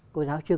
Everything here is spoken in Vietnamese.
cô giáo trưởng